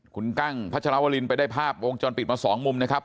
คุณกั้งพัชรวรินไปได้ภาพวงจรปิดมาสองมุมนะครับ